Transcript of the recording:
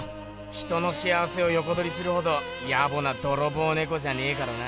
人の幸せをよこどりするほどやぼな泥棒ねこじゃねえからな。